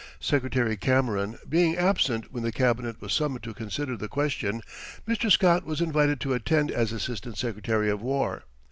Secretary Cameron being absent when the Cabinet was summoned to consider the question, Mr. Scott was invited to attend as Assistant Secretary of War.